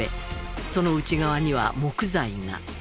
その内側には木材が。